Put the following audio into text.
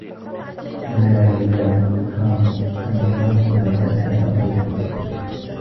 فَلَا يَدَعْهُ الْكَرْمُ أَنْ يَغْفُلَ وَلَا الْحَيَاءُ أَنْ يَكُفَّ